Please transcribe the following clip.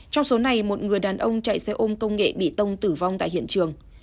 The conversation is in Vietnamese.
trong số này một người đàn ông chạy xe ôm công nghệ bị tông tử vong tại hiện trường